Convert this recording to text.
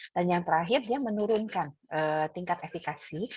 dan yang terakhir dia menurunkan tingkat efekasi